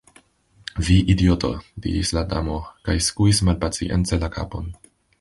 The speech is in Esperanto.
"Vi idioto!" diris la Damo, kaj skuis malpacience la kapon.